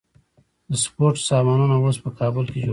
د سپورت سامانونه اوس په کابل کې جوړیږي.